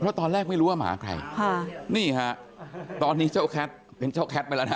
เพราะตอนแรกไม่รู้ว่าหมาใครค่ะนี่ฮะตอนนี้เจ้าแคทเป็นเจ้าแคทไปแล้วนะฮะ